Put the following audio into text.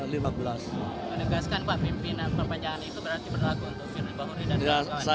menegaskan pak pimpinan perpanjangan itu berarti berlaku untuk firly bahuri dan kawan kawan